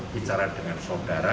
bicara dengan saudara